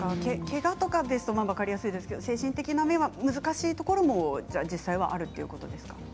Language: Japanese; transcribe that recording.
けがとかだと分かりやすいですけれども精神的な面は難しいところも実際にあるということですか。